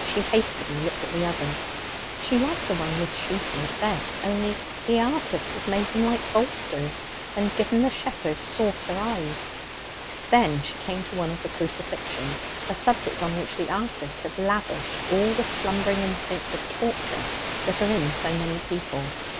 She hastily looked at the others. She liked the one with sheep in it best, only the artist had made them like bolsters, and given the shepherd saucer eyes. Then she came to one of the Crucifixion, a subject on which the artist had lavished all the slumbering instincts of torture that are in so many people.